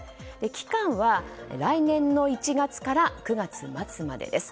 期間は来年の１月から９月末までです。